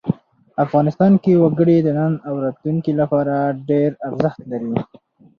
افغانستان کې وګړي د نن او راتلونکي لپاره ډېر ارزښت لري.